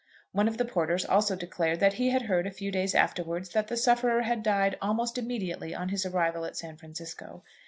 One of the porters also declared that he had heard a few days afterwards that the sufferer had died almost immediately on his arrival at San Francisco.